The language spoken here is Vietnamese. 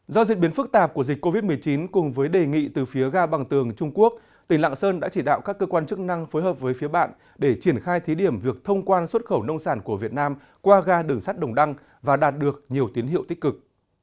do diễn biến phức tạp của dịch covid một mươi chín cùng với đề nghị từ phía ga bằng tường trung quốc tỉnh lạng sơn đã chỉ đạo các cơ quan chức năng phối hợp với phía bạn để triển khai thí điểm việc thông quan xuất khẩu nông sản của việt nam qua ga đường sắt đồng đăng và đạt được nhiều tiến hiệu tích cực